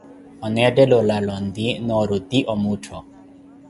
Oneethela olala onti, nooruti omuttho.